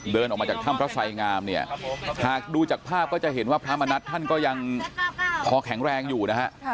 เดินออกมาจากถ้ำพระไสงามเนี่ยหากดูจากภาพก็จะเห็นว่าพระมณัฐท่านก็ยังพอแข็งแรงอยู่นะฮะ